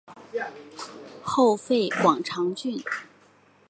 后废广长郡。